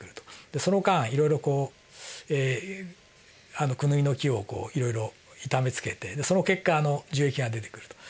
その間いろいろこうクヌギの木をこういろいろ痛めつけてその結果樹液が出てくると。